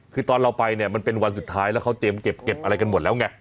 คือตอนเราไปเนี่ยมันเป็นวันสุดท้ายแล้วเขาเตรียมเก็บอะไรกันหมดแล้วไง